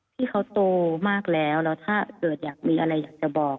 ที่เขาโตมากแล้วแล้วถ้าเกิดอยากมีอะไรอยากจะบอก